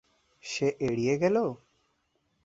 সে এড়িয়ে গেল?